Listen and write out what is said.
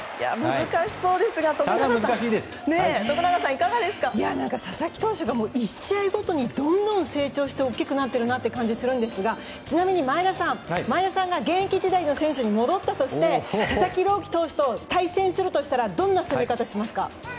難しそうですが佐々木投手が１試合ごとにどんどん成長して大きくなっているなという感じがするんですがちなみに前田さんが現役時代の選手に戻ったとして佐々木朗希投手と対戦するとしたらどんな攻め方をしますか。